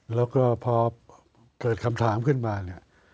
แล้วก็พอเกิดคำถามขึ้นมาเนี่ย